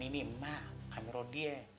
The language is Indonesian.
ini emak kami rodia